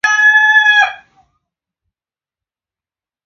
zao la viazi lishe sehemu nyingi duniani kote